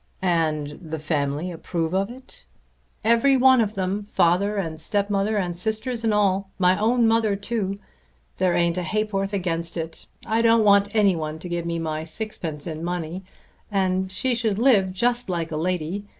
"And the family approve of it?" "Every one of them, father and stepmother and sisters and all. My own mother too! There ain't a ha'porth against it. I don't want any one to give me sixpence in money. And she should live just like a lady.